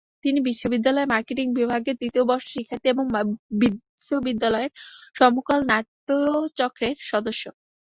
তিনি বিশ্ববিদ্যালয়ের মার্কেটিং বিভাগের তৃতীয় বর্ষের শিক্ষার্থী এবং বিশ্ববিদ্যালয়ের সমকাল নাট্যচক্রের সদস্য।